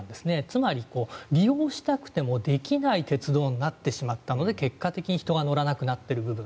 つまり、利用したくてもできない鉄道になってしまったので結果的に人が乗らなくなっている部分。